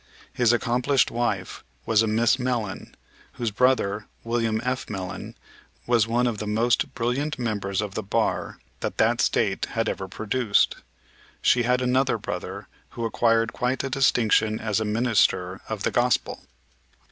His accomplished wife was a Miss Mellen, whose brother, William F. Mellen, was one of the most brilliant members of the bar that the State had ever produced. She had another brother who acquired quite a distinction as a minister of the gospel.